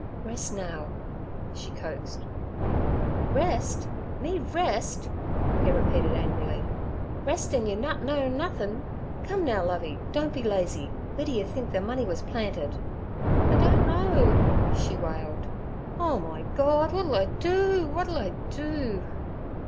'Rest now' she coaxed. 'Rest! Me rest!' he repeated angrily—'rest, an' you nut knowin' nuthin'? Come now, Lovey, don't be lazy: weer d'ye think ther money wuz planted?' 'I don't know' she wailed. 'Oh, my Gord! w'at 'll I do? W'at 'll I do?'